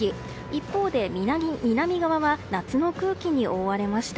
一方で南側は夏の空気に覆われました。